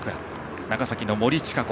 長崎の森智香子